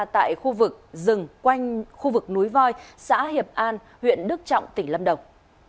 tại khu vực rừng quanh khu vực núi voi xã hiệp an huyện đức trọng tỉnh lâm đồng